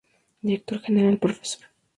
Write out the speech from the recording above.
Director General: Prof.